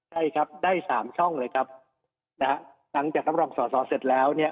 ใช่ครับได้สามช่องเลยครับนะฮะหลังจากรับรองสอสอเสร็จแล้วเนี่ย